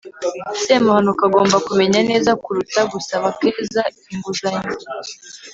semuhanuka agomba kumenya neza kuruta gusaba keza inguzanyo